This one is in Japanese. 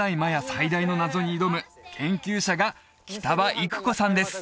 最大の謎に挑む研究者が北場育子さんです